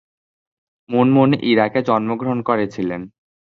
মুনমুন ইরাকে জন্মগ্রহণ করেছিলেন।